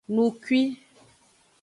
Nukwi.